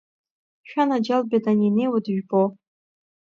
Шәанаџьалбеит, ани инеиуа дыжәбо?!